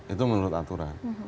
itu menurut aturan